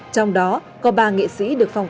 trong đó có ba nghệ sĩ được phát triển